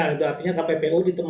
ya itu artinya kppu ditemani